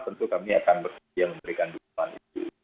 tentu kami akan bersedia memberikan dukungan itu